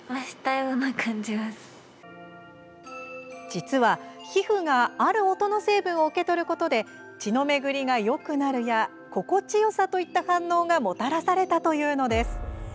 実は、皮膚がある音の成分を受け取ることで「血の巡りがよくなる」や「心地よさ」といった反応がもたらされたというのです。